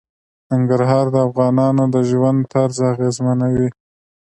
ننګرهار د افغانانو د ژوند طرز اغېزمنوي.